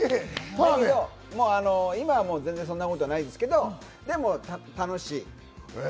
今はもう全然そんなことはないですけど、楽しい。